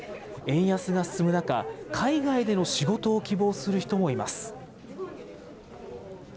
円安が進む中、海外での仕事を希望する人もいます。